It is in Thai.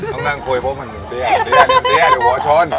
ต้องนั่งคุยเพราะมันหลงเตี้ยหลงเตี้ยหลงเตี้ยหลงหัวชน